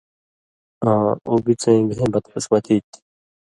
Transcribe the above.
آں اُو بِڅَیں گھئیں بدقسمتی تھی